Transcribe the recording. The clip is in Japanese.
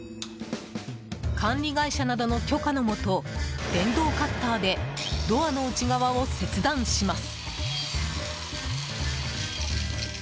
管理会社などの許可のもと電動カッターでドアの内側を切断します。